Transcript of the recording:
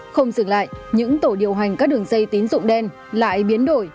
không dừng lại những tổ điều hành các đường dây tín dụng đen lại biến đổi